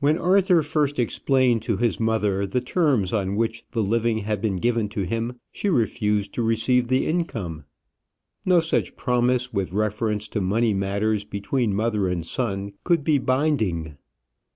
When Arthur first explained to his mother the terms on which the living had been given to him, she refused to receive the income. No such promise with reference to money matters between mother and son could be binding.